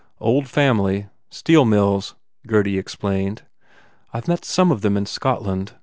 "Old family. Steel mills," Gurdy explained. "I ve met some of them in Scotland.